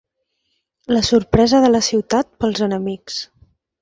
La sorpresa de la ciutat pels enemics.